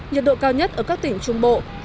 nhiệt độ cao nhất ở các tỉnh trung bộ